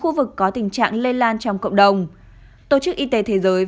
khu vực có tình trạng lây lan trong cộng đồng tổ chức y tế thế giới who cảnh báo